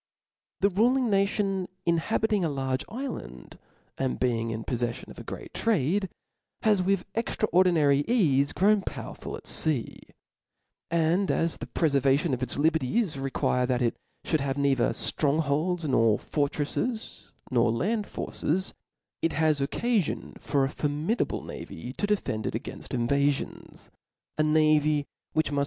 The ruling nation inhabiting a large ifland, and being in poflellion of a great trade, hath with extra ordinary eafe grown powerful at fea ; and as the preiervation of its liberties require that it fhould have neither ftrong holds, nor fortrelSrs, nor land forces, it has occafion for a formidable navy to de fend it againft invafions ; a navy which muft.